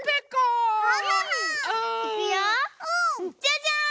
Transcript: じゃじゃん！